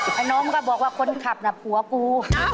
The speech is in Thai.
ไอ้น้องก็บอกว่าคนขับน่ะผัวกู